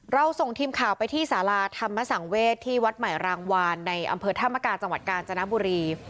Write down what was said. ส่งทีมข่าวไปที่สาราธรรมสังเวศที่วัดใหม่รางวานในอำเภอธรรมกาจังหวัดกาญจนบุรี